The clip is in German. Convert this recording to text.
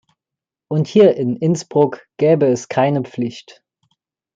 Und hier in Innsbruck gäbe es keine Pflicht.